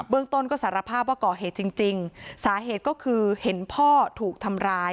เรื่องต้นก็สารภาพว่าก่อเหตุจริงสาเหตุก็คือเห็นพ่อถูกทำร้าย